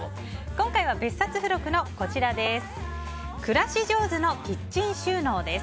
今回は別冊付録のこちらです。